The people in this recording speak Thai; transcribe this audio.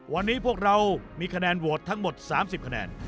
วันนี้พวกเรามีแขกแหน่นโหวตทั้งหมด๓๐แขกแหน่น